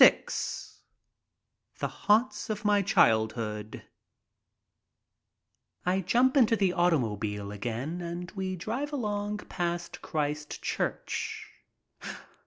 VI THE HAUNTS OF MY CHILDHOOD r JUMP into the automobile again and we drive along ■■• past Christ Church.